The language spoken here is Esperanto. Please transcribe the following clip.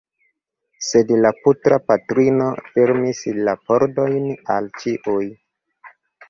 Sed la putra patrino fermis la pordojn al ĉiuj!